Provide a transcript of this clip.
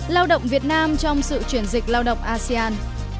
lao động việt nam trong sự chuyển dịch lao động asean